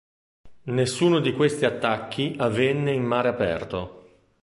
Nessuno di questi attacchi avvenne in mare aperto.